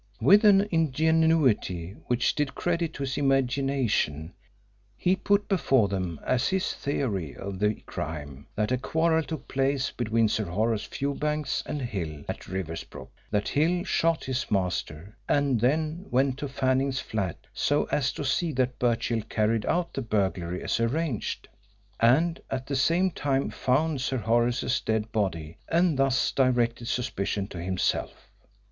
With an ingenuity which did credit to his imagination, he put before them as his theory of the crime that a quarrel took place between Sir Horace Fewbanks and Hill at Riversbrook, that Hill shot his master and then went to Fanning's flat so as to see that Birchill carried out the burglary as arranged, and at the same time found Sir Horace's dead body, and thus directed suspicion to himself.